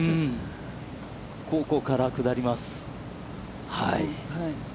ここから下ります。